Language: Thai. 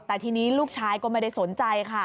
แต่ทีนี้ลูกชายก็ไม่ได้สนใจค่ะ